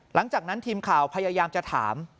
หลังจากนั้นทีมข่าวพยายามจะถาม